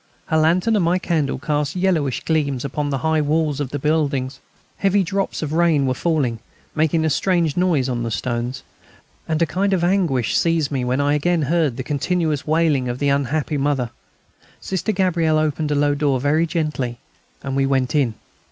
Her lantern and my candle cast yellowish gleams upon the high walls of the buildings. Heavy drops of rain were falling, making a strange noise on the stones. And a kind of anguish seized me when I again heard the continuous wailing of the unhappy mother. Sister Gabrielle opened a low door very gently, and we went in.